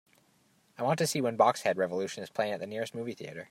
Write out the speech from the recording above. I want to see when Box Head Revolution is playing at the nearest movie theatre